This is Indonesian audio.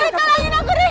tolongin aku riri